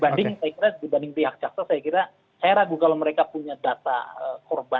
dibanding saya kira dibanding pihak cakta saya kira saya ragu kalau mereka punya data korban enam puluh tiga ribu itu